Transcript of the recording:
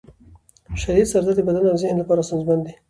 شدید سر درد د بدن او ذهن لپاره ستونزمن دی.